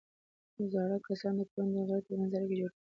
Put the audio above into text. زاړه کسان د کورنۍ د غړو ترمنځ اړیکې جوړوي